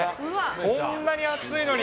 こんなに暑いのに。